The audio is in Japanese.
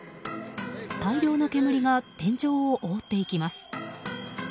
大量の煙が天井を覆っていきます。